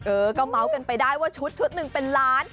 เออก็เมาส์กันไปได้ว่าชุดชุดหนึ่งเป็นล้าน